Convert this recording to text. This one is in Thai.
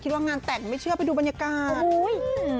แต่คิดว่างานแตกไม่เชื่อไปดูบรรยากาศ